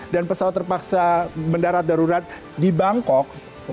dan pesawat terpaksa mendarat darurat di bangkok